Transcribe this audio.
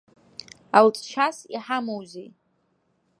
Алҵшьас иҳамоузеи?